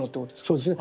そうですね。